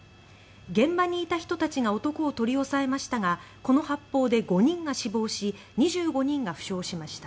現場にいた人たちが男を取り押さえましたがこの発砲で５人が死亡し２５人が負傷しました。